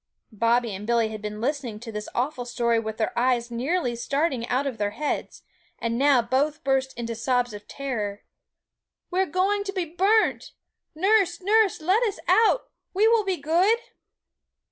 Bobby and Billy had been listening to this awful story with their eyes nearly starting out of their heads; and now both burst into sobs of terror. 'We're going to be burnt! Nurse, nurse, let us out; we will be good!'